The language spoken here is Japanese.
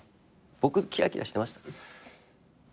僕キラキラしてました？